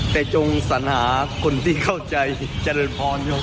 แต่จงสาญหาคนที่เข้าใจเจลป่อนจ๋ม